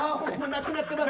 なくなってます。